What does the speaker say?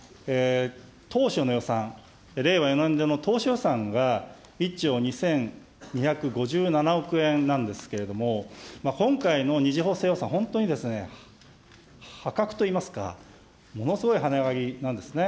当初の予算、令和４年度の当初予算が１兆２２５７億円なんですけれども、今回の２次補正予算、本当に破格といいますか、ものすごい跳ね上がりなんですね。